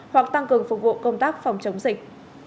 hoặc tăng cường phục vụ công tác phòng chống dịch